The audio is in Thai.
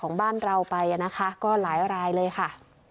ของบ้านเราไปนะคะก็หลายรายเลยค่ะ